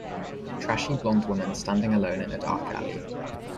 Trashy blond woman standing alone in a dark alley.